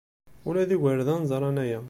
Ula d igerdan ẓran aya.